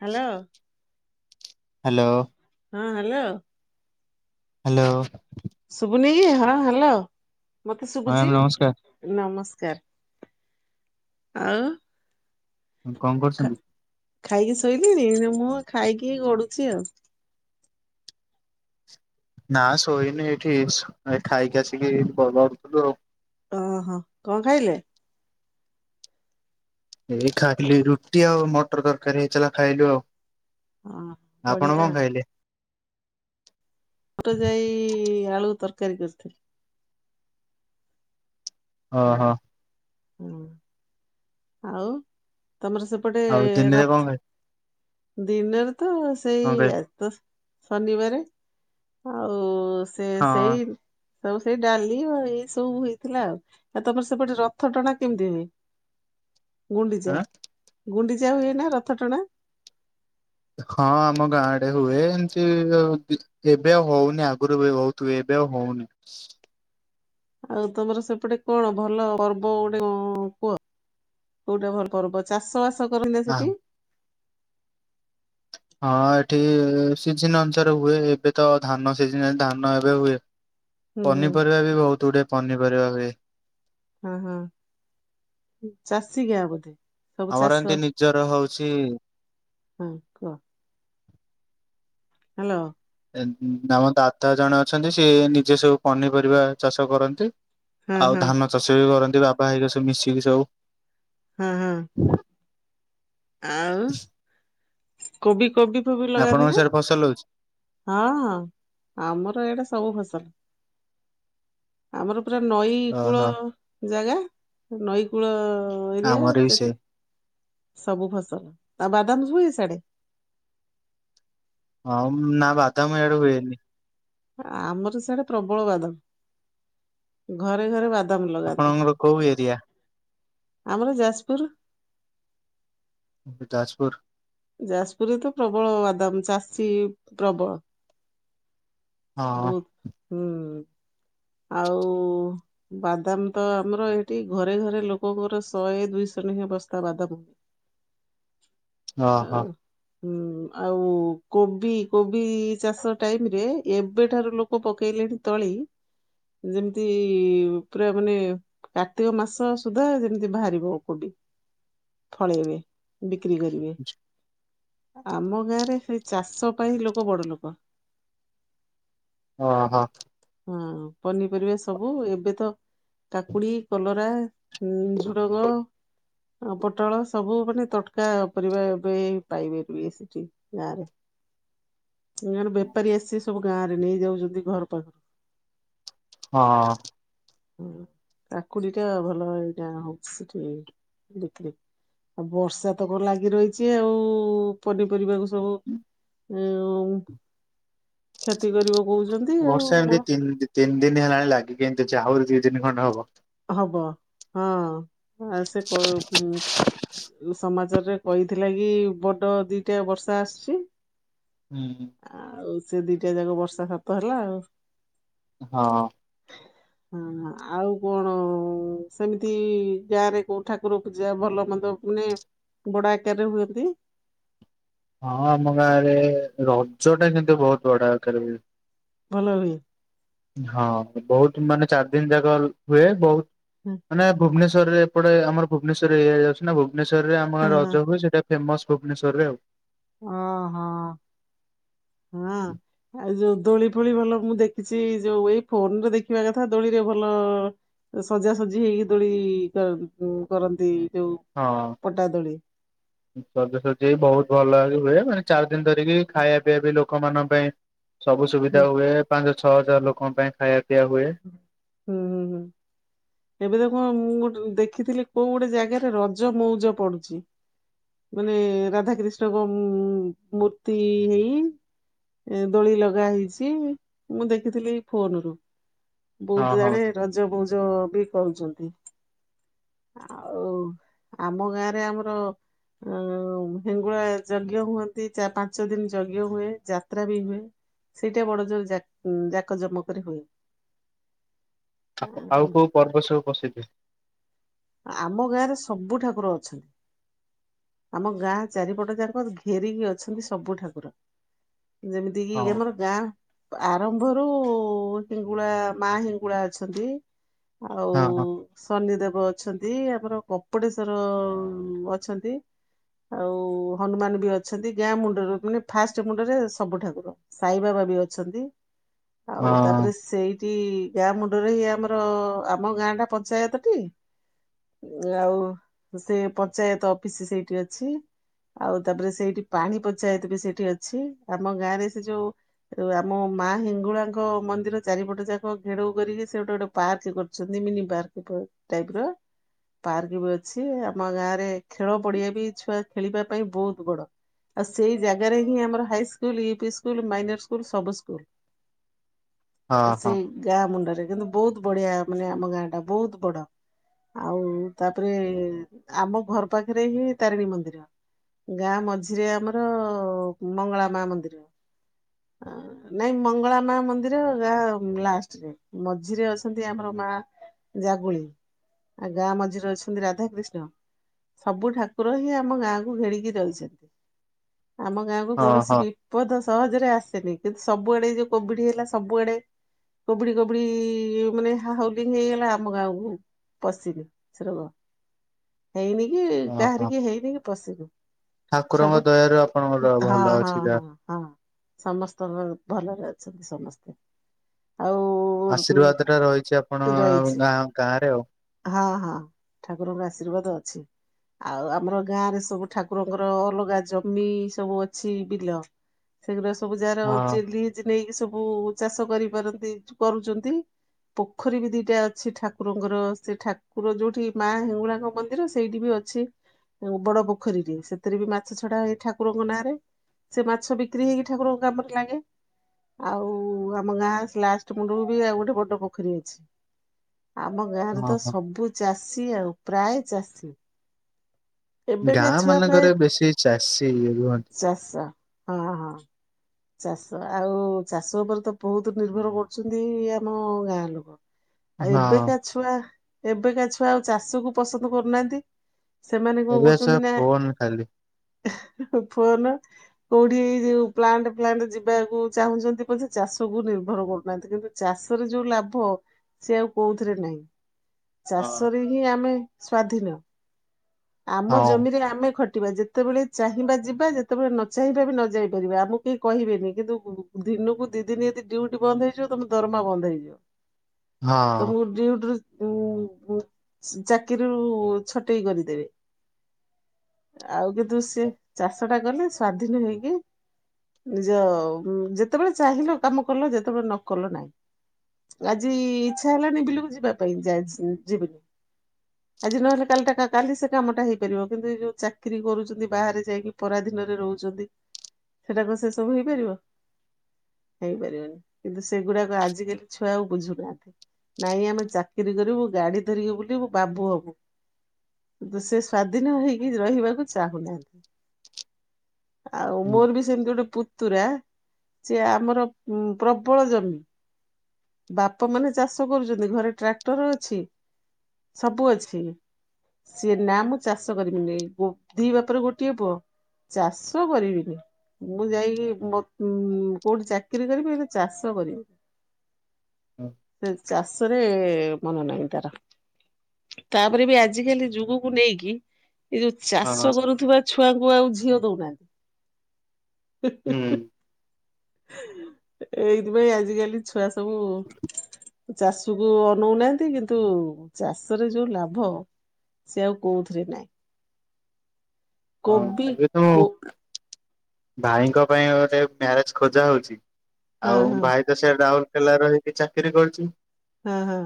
Hello. Hello. ହଁ hello. Hello. ଶୁଭୁନି କି? ହଁ ହ୍ୟାଲୋ ମତେ ମ୍ୟାମ୍ ଶୁଭୁଛି ନମସ୍କାର ନମସ୍କାର ଆଉ। କଣ ଖା କରୁଛନ୍ତି? ଖାଇକି ଶୋଇଲେଣି? ନାଁ ମୁଁ ଖାଇକି ଗଡୁଛି ଆଉ। ନା ଶୋଇନି, ଏଇଠି ଖାଇକି ଆସିକି [unintelligible] ଆଉ। ଓ ହୋ କଣ ଖାଇଲେ? ଏଇ ଖାଇଲି, ରୁଟି ଆଉ ମଟର ତରକାରୀ ହେଇଥିଲା ଖାଇଲୁ ଆଉ। ହଁ ଆପଣ ବଢିଆ କଣ ଖାଇଲେ? ବୁଟଜାଇ, ଆଳୁ ତରକାରୀ କରିଥିଲି। ଅ- ହଁ। ହୁଁ। ଆଉ ତମର ସେପଟେ ଆଉ ଦିନରେ କଣ ରଥ, ଖାଇ ଦିନରେ ତ ସେଇ କଣ ଖାଇ ଆଜି ତ ଶନିବାରେ ଆଉ ସେ ସେଇ ହଁ ସବୁ ସେଇ ଡାଲି ଆଉ ଏଇ ସବୁ ହେଇଥିଲା ଆଉ। ଆଉ ତାପରେ ସେପଟେ ରଥ ଟଣା କେମିତି ହୁଏ? ଗୁଣ୍ଡିଚା, ଆଁ ଗୁଣ୍ଡିଚା ହୁଏ ନା ରଥ ଟଣା? ହଁ ଆମ ଗାଁ ଆଡେ ହୁଏ, ଏମିତି ଆଉ ଏବେ ଆଉ ହଉନି ଆଗରୁ ବି ବହୁତ୍ ହୁଏ। ଏବେ ଆଉ ହଉନି। ଆଉ ତମର ସେପଟେ କଣ ଭଲ ପର୍ବ ଗୋଟେ କୁହ? କୋଉଟା ଭଲ ପର୍ବ ଚାଷ ବାସ କରନ୍ତି ନା ହଁ ସେଠି? ହଁ ଏଠି ସିଜିନ ଅନୁସାରେ ହୁଏ ଏବେ ତ ଧାନ ସିଜିନ୍ ଧାନ ଏବେ ହୁଏ। ହୁଁ ପନିପରିବା ବି ବହୁତ ଗୁଡେ ପନିପରିବା ହୁଏ। ହଁ ହଁ ଚାଷୀକିଆ ବୋଧେ? ସବୁ ଆମର ଏମିତି ଚାଷ ନିଜର ହଉଛି ହ୍ୟାଲୋ। ଆମ ଦାଦା ଜଣେ ଅଛନ୍ତି ସିଏ ନିଜେ ସବୁ ପନିପରିବା ଚାଷ କରନ୍ତି। ହଁ ଆଉ ହଁ ଧାନ ଚାଷ ବି କରନ୍ତି ବାପା ହେରିକା ସବୁ ମିଶିକି ସବୁ। ହୁଁ ହୁଁ। ଆଉ କୋବି କୋବି ଫୋବି ଲଗାନ୍ତି ଆପଣଙ୍କ ନା? ସିଆଡେ ଫସଲ ହଉଛି? ହଁ ଆମର ଆଡ଼େ ସବୁ ଫସଲ। ଆମର ପୁରା ନଈ କୂଳ ଓହୋ ଜାଗା ନଈକୂଳ ଏରିଆ ଆମର ବି ସେ ସେଠି ସବୁ ଫସଲ ଆଉ ବାଦାମ ହୁଏ ସିଆଡ଼େ? ଉମ ନା ବାଦାମ ଏଡ଼େ ହୁଏନି। ଆମର ସିଆଡ଼େ ପ୍ରବଳ ବାଦାମ୍ ଘରେ ଘରେ ବାଦମ୍। ଆପଣଙ୍କ କୋଉ ଏରିଆ? ଆମର ଯାଜପୁର। ଯାଜପୁର। ଯାଜପୁରରେ ତ ପ୍ରବଳ ବାଦାମ ଚାଷୀ ପ୍ରବଳ। ହଁ। ବହୁତ। ହୁଁ। ଆଉ ବାଦାମ୍ ତ ଆମର ଏଇଠି ଘରେ ଘରେ ଲୋକଙ୍କର ଶହେ ଦୁଇଶହ ନେଖେ ବସ୍ତା ବାଦାମ। ଅ ହଁ। ଆଉ ହୁଁ ଆଉ କୋବି କୋବି ଚାଷ ଟାଇମ୍ ରେ ଏବେଠାରୁ ଲୋକ ପକେଇଲେଣି ତଳି। ଯେମିତି ପୁରା ମାନେ କାର୍ତ୍ତିକ ମାସ ସୁଦ୍ଧା ଯେମିତି ବାହାରିବ କୋବି। [inaudible] [unintelligible] ବିକ୍ରି କରିବେ। ଆମ ଗାଁ ରେ ସେଇ ଚାଷ ପାଇଁ ଲୋକ ବଡ଼ ଲୋକ। ଅ ହଁ। ହଁ ପନିପରିବା ସବୁ ଏବେ ତ କାକୁଡ଼ି କଲରା ଝୁଡ଼ଙ୍ଗ। ହ ପୋଟଳ ସବୁ ମାନେ ତଟକା ପରିବା ଏବେ ପାଇପାରିବେ ସେଠି ଗାଁରେ। [inaudible] ସେଇ ଆଡ଼ୁ ବେପାରୀ ଆସି ସବୁ ଗାଁ ରେ ନେଇ ଯାଉଛନ୍ତି ଘର ପାଖରୁ। ହଁ। ହଁ କାକୁଡ଼ି ଟା ଭଲ ଏଇଟା ହଉଛି ସେଠି ଦେଖିଲି। ଆଉ ବର୍ଷା ତ କଣ ଲାଗି ରହିଛି ଆଉ ପନିପରିବାକୁ ସବୁ ଉ କ୍ଷେତି କରିବ କହୁଛନ୍ତି ବର୍ଷା ଆଉ। ତିନି ମ- ଦିନ ତିନ ଦିନୀ ହେଲାଣି ଲାଗିକି ଏମିତି ଅଛି ଆହୁରି ଦି ଦିନ ଖଣ୍ଡେ ହବ। ହବ ହଁ ଆ ସେ କ କୁ ସମାଚାରରେ କହିଥିଲା କି ବଡ ଦିଟା ବର୍ଷା ଆସିଛି। ହୁଁ। ସେ ଦିଟା ଯାକ ବର୍ଷା ସତ ହେଲା ଆଉ। ହଁ। ହଁ ଆଉ କଣ? ସେମିତି ଗାଁରେ କୋଉ ଠାକୁର ପୂଜା ଭଲ ମନ୍ଦ ହୁଏ ବଡ଼ ଆକାରରେ ହୁଅନ୍ତି। ହଁ ଆମ ଗାଁରେ ରଜ ଟା କିନ୍ତୁ ବହୁତ ବଡ଼ଆକାର ରେ ହୁଏ। ଭଲ [inaudible] ହଁ ବହୁତ ମାନେ ଚାରି ଦିନ ଯାକ ହୁଏ ବହୁତ ହଁ ମାନେ ଭୁବନେଶ୍ଵର ରରେ ଏପଟେ ଆମର ଭୁବନେଶ୍ୱର ଏରିଆ ଯାଉଛି ନା। ଭୁବନେଶ୍ୱରରେ ଆମର ହଁ ରଜ ହୁଏ ସେଟା ଫେମସ୍ ଭୁବନେଶ୍ୱରରେ ଆଉ। ଓ ହୋ ହଁ ଏ ଯଉ ଦୋଳି ଦୋଳି ଭଲ ମୁଁ ଦେଖିଛି ଯୋଉ ଏଇ ଫୋନରେ ଦେଖିବା କଥା ଦୋଳିରେ ଭଲ-ଅ-ଅ ସଜାସଜି ହେଇକି ଦୋଳି-ଇ-ଇ-ଇ କରନ୍ତି। ଯୋଉ ହଁ, ପଟା ଦୋଳି। ସଜସଜି ବି ବହୁତ ଭଲ ଭାବେ ହୁଏ। ମାନେ ଚାରି ଦିନ ଧରିକି ଖାଇବା ପିଇବା ବି ଲୋକମାନଙ୍କ ପାଇଁ ସବୁ ହୁଁ ସୁବିଧା ହୁଏ। ପା ଞ୍ଚ ଛଅ ହଜାର ଲୋକଙ୍କ ପାଇଁ ଖାଇବା ପିଇଆ ହୁଏ। ହୁଁ ହୁଁ ହୁଁ। ଏବେ ତ କଣ ମୁଁ ଗୋଟେ ଦେଖିଥିଲି କୋଉ ଗୋଟେ ଜାଗାରେ ରଜ ମଉଜ ପଡୁଛି। ମାନେ ରାଧା କ୍ରୀିଷ୍ଣଙ୍କ ମୁ-ଉ-ଉ-ଉ-ଉ ମୂର୍ତ୍ତି ହେଇ ଏ ଦୋଳି ଲଗା ହେଇଛି, ମୁଁ ଦେଖିଥିଲି ଫୋନରୁୁ। ହଁ ବହୁତ ହଁ। ଆଡେ ରଜ ମଉଜ ବି କରୁଛନ୍ତି। ଆଉ ଆମ ଗାଁରେ ଆମର ଆ-ଆ-ଆ ହେଙ୍ଗୁଳା ଯଜ୍ଞ ହୁଅନ୍ତି। ଚା ପାଞ୍ଚ ଦିନ ଯଜ୍ଞ ହୁଏ। ଯାତ୍ରା ବି ହୁଏ। ସେଇଟା ବଡ ଯୋଉ ଯା ଯାକ ଜମ କରି ହୁଏ। ଆ, ଆଉ କେଉଁ ପର୍ବ ସବୁ ପ୍ରସିଦ୍ଧ? ଆମ ଗାଁରେ ସବୁ ଠାକୁର ଅଛନ୍ତି। ଆମ ଗାଁ ଚାରିପଟ ଯାକ ଘେରିକି ଅଛନ୍ତି ସବୁ ଠାକୁର। ଯେମିତି କି ହଁ ଆମର ଗାଁ ଆରମ୍ଭରୁ-ଉ-ଉ-ଉ-ଉ ହେଙ୍ଗୁଳା ମା ହିଙ୍ଗୁଳା ଅଛନ୍ତି। ଆଉ ହଁ ହଁ ଶନି ଦେବ ଅଛନ୍ତି ଆମର କପଡ଼େଶ୍ଵର-ଅ-ଅ-ଅ-ଅ ଅଛନ୍ତି। ଆଉ-ଉ-ଉ ହନୁମାନ ବି ଅଛନ୍ତି ଗାଁ ମୁଣ୍ଡରୁ ମାନେ ଫାଷ୍ଟ ମୁଣ୍ଡରେ ସବୁ ଠାକୁର। ସାଇବାବା ବି ଅ ଛନ୍ତି ହଁ ଆଉ ତାପରେ ସେଇ ଏ ଗାଁ ମୁଣ୍ଡରେ ଇ ଆମର ଆମ ଗାଁ ଟା ପଞ୍ଚାୟତଟି ଆଉ ସେ ପଞ୍ଚାୟତ ଅଫିସ ସେଇଠି ଅଛି। ଆଉ ତାପରେ ସେଇଠି ପାଣି ପଚାୟତ ବି ସେଇଠି ଅଛି। ଆମ ଗାଁରେ ସେ ଯୋଉ ଆମ ମା ହେଙ୍ଗୁଳାଙ୍କ ମନ୍ଦିର ଚାରିପଟ ଯାକ ଘେରଉ କରିକି ସେ ଗୋଟେ ଗୋଟେ ପାର୍କ କରିଛନ୍ତି ମିନି ପାର୍କ। ପ ଟାଇପର ପାର୍କ ବି ଅଛି। ଆମ ଗାଁରେ ଖେଳ ପଡିଆ ବି ଛୁଆ ଖେଳିବା ପାଇଁ ବହୁତ ବଡ। ଆଉ ସେଇ ଜାଗାରେ ହିଁ ଆମର high school, U P school, minor school ସବୁ ସ୍କୁଲ। ହଁ ହଁ। ସେଇ ଗାଁ ମୁଣ୍ଡରେ କିନ୍ତୁ ବହୁତ ବଢିଆ ମାନେ ଆମ ଗାଁ ଟା ବହୁତ ବଡ। ଆଉ ତାପରେ ଆମ ଘର ପାଖରେ ହିଁ ତାରିଣୀ ମନ୍ଦିର, ଗାଁ ମଝିରେ ଆମର-ଅ-ଅ-ଅ ମଙ୍ଗଳା ମା ମନ୍ଦିର। ଅ ନାଇଁ ମଙ୍ଗଳା ମା ମନ୍ଦିର ଗ ଲାଷ୍ଟରେ ମଝିରେ ଅଛନ୍ତି ଆମର ମା ଜାଗୁଳେଇ ଆ ଗାଁ ମଝିରେ ଅଛନ୍ତି ରାଧା କ୍ରୀିଷ୍ଣ ସବୁ ଠାକୁ କୁକୁର ହିଁ ଆମ ଗାଁକୁ ଘେରିକି ରହିଛନ୍ତି। ଆମ ଗାଁ କୁ ହଁ କୌଣସି ହଁ। ବିପଦ ସହଜରେ ଆସେନି। କିନ୍ତୁ ସବୁଆଡେ ଯୋଉ କୋଭିଡ ହେଇଲା ସବୁଆଡେ କୋଭିଡି କୋଭିଡି ମାନେ ହ ହାଉଲିଙ୍ଗ ହେଇଗଲା ଆମ ଗାଁକୁ ପଶିନି ସେ ରୋଗ। ହେଇନି କି ହଁ ହଁ କାହାରିକି ହେଇନି କି ପଶିନି। ଠାକୁରଙ୍କ ସବୁଠ ଦୟାରୁ ଆପଣଙ୍କର ହଁ ଭଲ ହଁ ଅଛି ଯାହା। ହଁ ହଁ ସମସ୍ତଙ୍କ ଭଲରେ ଅଛନ୍ତି ସମସ୍ତେ। ଆଉ ଉଁ, ଆଶୀର୍ବାଦ ଟା ରହିଛି ଆପଣ ରହିଛି ଗାଁ ଗାଁ ରେ ଆଉ। ହଁ ହଁ ଠାକୁରଙ୍କର ଆଶୀର୍ବାଦ ଅଛି। ଆଉ ଆମର ଗାଁ ରେ ସବୁ ଠାକୁରଙ୍କର ଅଲଗା ଜମି ସବୁ ଅଛି ବିଲ। ସେଗୁଡା ସବୁ ଯାର ହଁ ଚି ଲିଜ୍ ନେଇକି ସ ସବୁ ଚାଷ କରିପାରନ୍ତି କରୁଛନ୍ତି। ପୋଖରୀ ବି ଦିଟା ଅଛି ଠାକୁରଙ୍କର। ସେ ଠାକୁର ଯୋଉଠି ମା ହିଙ୍ଗୁଳାଙ୍କ ମନ୍ଦିର ସେଇଠି ବି ଅଛି। ବଡ ପୋଖରୀରେ ସେଥିରେ ବି ମାଛ ଛଡା ହୁଏ ଠାକୁରଙ୍କ ନାଁରେ। ସେ ମାଛ ବିକ୍ରି ହେଇକି ଠାକୁରଙ୍କ କାମରେ ଲାଗେ। ଆଉ ଆମ ଗାଁ ଲାଷ୍ଟ ମୁଣ୍ଡରୁ ବି ଆଉ ଗୋଟେ ବଡ ପୋଖରୀ ଅଛି। ଆମ ଗାଁରେ ହଁ ତ ହଁ। ସବୁ ଚାଷୀ ଆଉ ପ୍ରାୟ ଚାଷୀ। ଏବେକା ଗାଁ ଛୁଆ ପ୍ରାୟ ମାନଙ୍କରେ ବେଶୀ ଚାଷୀ ରୁହନ୍ତି। ଚାଷ ହଁ ହଁ ଚାଷ ଆଉ ଚାଷ ଉପରେ ତ ବହୁତ ନିର୍ଭର କରୁଛନ୍ତି ଆମ ଗାଁ ଲୋକ। ଆଉ ହଁ ଏବେକା ଛୁଆ ଏବେକା ଛୁଆ ଆଉ ଚାଷକୁ ପସନ୍ଦ କରୁନାହାନ୍ତି। ସେମାନେ କଣ ଏବେ ସେ କରୁଛନ୍ତି ନା ଫୋନ ଖାଲି। ଫୋନ କୋଉଠି ଏଇ ଯୋଉ ପ୍ଲାଣ୍ଟ ପ୍ଲାଣ୍ଟ ଯିବାକୁ ଚାହୁଁଛନ୍ତି ପଛେ, ଚାଷକୁୁ ନିର୍ଭର କରୁନାହାନ୍ତି। କିନ୍ତୁ ଚାଷରେ ଯୋଉ ଲାଭ ସେ ଆଉ କୋଉଥିରେ ନାହିଁ। ହଁ ଚାଷରେ ହିଁ ଆମେ ସ୍ଵାଧୀନ। ଆମ ହଁ। ଜମିରେ ଆମେ ଖ ଯେତେବେଳେ ଚାହିଁବା ଯିବା ଯେତେବେଳେ ନ ଚାହିଁବା ବି ନ ଯାଇପାରିବା। ଆମକୁ କେହି କହିବେନି। କିନ୍ତୁ ଦିନକୁ ଦି ଦିନ ଯଦି ଡ୍ୟୁଟି ବନ୍ଦ ହେଇଯିବ ତମ ଦରମା ବନ୍ଦ ହେଇଯିବ। ତମକୁ ଡ୍ୟୁଟି ରୁ [unintelligible] ଚାକିରି ରୁ ଛଟେଇ କରିଦେବେ। [inaudible] ଆଉ କିନ୍ତୁ ସେ ଚାଷ ଟା କଲେ ସ୍ଵାଧୀନ ହେଇକି ନିଜ ଯେତେବେଳେ ଚାହିଁଲ କାମ କଲ ଯେତେବେଳେ ନ କଲ ନାଇଁ। ଆଜି ଇଚ୍ଛା ହେଲଣିି ବିଲକୁ ଯିବା ପାଇଁ ଯିବିନି। ଆଜି ନହେଲେ କାଲି ଟା କାଲି ସେ କାମଟା ହେଇପାରିବ। କିନ୍ତୁ ଏ ଯୋଉ ଚାକିରରି କରୁଛନ୍ତି ବାହାରେ ଯାଇକି ପରାଧିନରେ ରହୁଛନ୍ତି ସେଟାକୁ ସେ ସବୁ ହେଇପାରିବ? ହେଇପାରିବନି। କିନ୍ତୁ ସେଗୁଡାକ ଆଜିକାଲି ଛୁଆ ଆଉ ବୁଝୁ ନାହାନ୍ତି। ନାଇଁ ଆମେ ଚାକିରି କରିବୁ ଗାଡି ଧରିକି ବୁଲିବୁ ବାବୁ ହବୁ। [inaudible] ସେ ସ୍ଵାଧୀନ ହେଇକି ରହିବାକୁ ଚାହୁଁନାହାନ୍ତି। ଆଉ ହୁଁ ମୋର ବି ସେମିତି ଗୋଟେ ପୁ ତୁରା ସେ ଆମର ପ୍ରବଳ ଜମି। ବାପା ମାନେ ଚାଷ କରୁଛନ୍ତି। ଘରେ ଟ୍ରାକ୍ଟର ଅଛି ସବୁ ଅଛି। ସିଏ ନା ମୁଁ ଚାଷ କରିବିନି। ଦି ବାପର ଗୋଟିଏ ପୁଅ। ଚାଷ କରିବିନି। ମୁଁ ଯାଇକି କୋଉଠି ଚାକିରି କରିବି ହେଲେ ଚାଷ କରିବିନି। ହଁ। ଚାଷରେ ମନ ନାହିଁ ତାର। ତାପରେ ବି ଆଜିିକାଲି ଯୁଗକୁ ନେଇକି ଏଇ ଯୋଉ ହଁ ଚାଷ କରୁଥିବା ଛୁଆ ଙ୍କୁ ଆଉ ଝିଅ ଦଉନାହାନ୍ତି। ହୁଁ। ଏଇଥିପାଇଁ ଆଜିକାଲି ଛୁଆ ସବୁ ଚାଷ କୁ ଅନଉନାହାନ୍ତି କିନ୍ତୁ ଚାଷରେ ଯୋଉ ଲାଭ। ସେ ଆଉ କହୁଥିରେ ନାହିଁ। ହଁ କୋବି ଏବେ ତ କୋ ଭାଇଙ୍କ ପାଇଁ ଗୋଟେ ମ୍ୟାରେଜ ଖୋଜା ହଉଚି ହଁ ଆଉ ହଁ ଭାଇ ତ ସେ ରାଉଲ୍ କେଲା ରହିକି ଚାକିରି କରୁଚି। ହଁ ହଁ।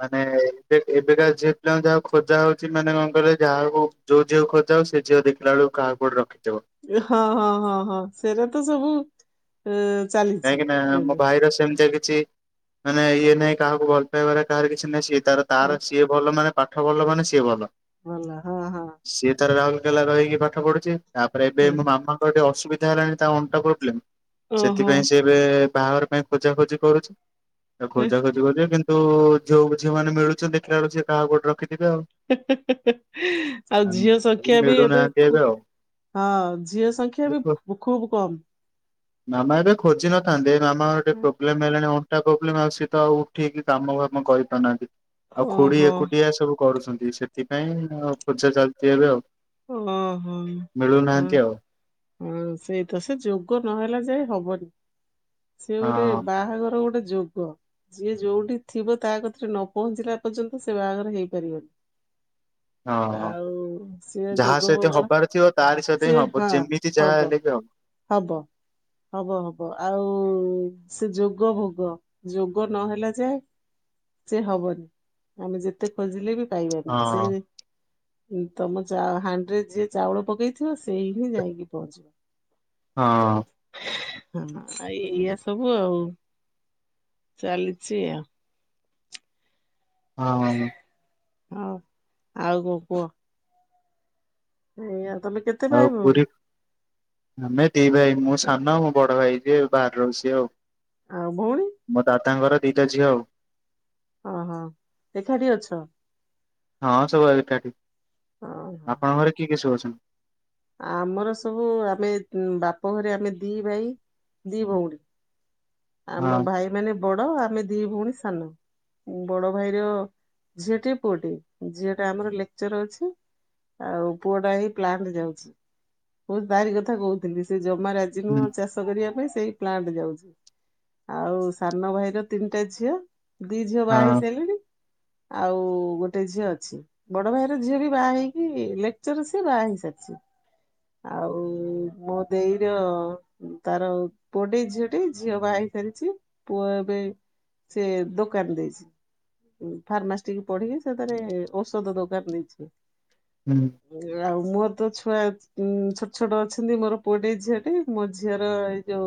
ମାନେ ଏବେ ଏବେକା ଝିଅ ପିଲାଙ୍କ ଯାହା ଖୋଜା ହଉଛି ମାନେ କଣ କହିଲ ଯାହାକୁ ଯୋଉ ଝିଅକୁ ଖୋଜା ହଉଚି ସେ ଝିଅ ଦେଖିଲା ବେଳକୁ କାହାକୁ ରଖି ଏ ହଁ ହଁ ହଁ ହଁ ସେଇଟା ତ ସବୁ ଏ ଚାଲିଛି କାହିଁକି ନା ମୋ ଏବେ ଭାଇର ସେମିତିଆ କି ଛି ମାନେ ଇଏ ନହିଁ କାହାକୁ ଭଲ ପାଇବାରେ କାହାର କିଛି ନାହିଁ, ସିଏ ତାର ଏ, ତାର ସିଏ ଭଲ ମାନେ ପାଠ ଭଲ ମାନେ ସିଏ ଭଲ। ଭଲ ହଁ ହଁ। ସିଏ ତାର ରାଉରକେଲା ରହିକି ପାଠ ପଢୁଛି, ତାପରେ ଏବେ ହଁ। ମୋ ମାମାଙ୍କ ଟିକେ ଅସୁବିଧା ହେଲାଣି ତା ଅଣ୍ଟା ପ୍ରୋବ୍ଲେମ ଓ। ସେଥିପାଇଁ ସେ ଏବେ ବାହାଘର ପାଇଁ ଖୋଜାଖୋଜି କରୁଛିଉ, ଖୋଜାଖୋଜି କରୁିବ କିନ୍ତୁ ତୁ ଯୋଉ ମମାନେ ମିଳୁଛନ୍ତି ଖିଲାଳୁ ସ କାହା ଗୋଟେ ରଖି ଆଉ ଝିଅ ସଂଖ୍ୟା ବି ଏବେ ହଁ ଜିଅ ସଂଖ୍ୟା ବି ଆଉ। ଖୁବ କମ୍ ମାମା ଏବେ ଖୋଜି ନଥାନ୍ତେ ମାମା ଟିକେ ପ୍ରୋବ୍ଲେମ ହେଲାଣି ଟା ପ୍ରୋବ୍ଲେମ ଆଉ ସ ତ ଆଉ ଉଠିକି କାମ ଫାମ କରିପାରୁନାହାନ୍ତି ଆଉ ଖୁଡି ଓହୋ ଏକୁଟିଆ ସବୁ କରୁଛନ୍ତି। ସେଥିପାଇଁ ପୂଜା ଚାଲିଛି ଏବେ ଆଉ। ହଁ ହଁ ହଁ। ମିଳୁନାହାନ୍ତି ଆଉ ହଁ ସେଇ ତ ସେ ଯୋଗ ନହେଲା ଯାଇଏ ହବନି ସେ ଗୋଟେ ହଁ ବାହାଘର ଗୋଟେ ଯୋଗ ଯିଏ ଯୋଉଠି ଥିବ ତା କଥରେ ନ ପହଞ୍ଚିଲା ପର୍ଯ୍ୟନ୍ତ ସେ ବାହାଘର ହେଇପାରିବନି। [inaudible] ହଁ। ଆଉ। ସି ଯାହା ସହିତ ଯୋଗୋଗରେ ହବାର ଥିବ ତାରି ସହିତ ହିଁ ସିଏ ହବ ହଁ ଯେମିତି ଯାହା ହବ ହେଲେ ବି ହବ ହବ ହବ, ଆଉ ଓ ସେ ଯୋଗ ଭୋଗ ଯୋଗ ନହେଲା ଯାଏ। ସେ ହବନି ଆମେ ଯେତେ ଖୋଜିଲେ ବି ପାଇବାନି ସେ ହଁ। ତମ ହାଡିରେ ଯିଏ ଚାଉଳ ପକେଇଥିବ ସେଇ ହିଁ ଯାଇକି ପହଞ୍ଚିବ। ହଁ। ହଁ ଆ ଇଆ ସବୁ ଆଉ ଚାଲିଛି ଆଉ। ହଁ। ହଁ ଆଉ କ କୁହ? ହଁ ଆ ଆଉ ପୁରୀ ଆମେ ଦ ଭାଇ ମୁଁ ସାନ ମୁଁ ବଡ ଭାଇ ଯି ବାହାର ରହୁଛି ଆଉ ଆଉ ଭଉଣୀ ମୋ ଦାଦାଙ୍କର ଦଇଟା ଝିଅ ଓ ହୋ ଦେଖାଠି ଅଛ। ହଁ ସବୁଠାଠିକ ଓହୋ ଆପଣଙ୍କ ଘରେ କି କି ସବୁ ଅଛି? ଆମର ସବୁ ଆମେ ବାପ ଘରେ ଆମେ ଦି ଭାଇ ଦି ଭଉଣୀ ଆମ ହଁ ଭାଇ ମାନେ ବଡ ଆମେ ଦି ଭଉଣୀ ସାନ ବଡ ଭାଇର ଝିଅଟି ପୁଅଟି, ଝିଅଟା ଆମର ଲେକ୍ଚର ଅଛି ଆଉ ପୁଅ ଟା ଏଇ ପ୍ଲାନରେ ଯାଉଛି, ବହୁତ ନାରି କଥା କହୁଥିଲି ସେ ଆମ ରାଜ ହୁଁ ନୁଆ ଚାଷ କରିବା ପାଇଁ ସେଇ ପ୍ଲାଣ୍ଟ ଯାଉଛି। ଆଉ ସାନ ଭାଇର ତିନିଟା ଝିଅ ଦି ଝିଅ ବାହା ହେଇ ସାରିଲେଣି ହଁ ଆଉ ଗୋଟେ ଝିଅ ଅଛି ବଡ ଭାଇର ଝିଅ ବି ବାହା ହେଇକି, ଲେକ୍ଚର ସିଏ ବାହା ହେଇ ସାରିଛି। ଆଉ ମୋ ଦେଇର ତାର ପୋଡିଇ ଝିଅଟି ଝିଅ ବା ହେ ଛି ପୁଅ ଏବେ ସେ ଦୋକାନ ଦେଇଛି। ଫାର୍ମାସ ପଢିକି ସେଥିରେ ଔଷଧ ଦୋକାନ ହୁଁ। ଦେଇଛି। ଆଉ ମୁ ତ ଛୁଆ ଉଁ ଛୋଟ ଛୋଟ ଅଛନ୍ତି ମୋର ପୁଅଟଇ ଝିଅ ଟେ ମୋ ଝିଅର ଏଇ ଯୋଉ